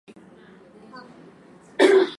Mwanafunzi anaangali video kwenye runinga.